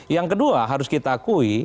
yang kedua harus kita akui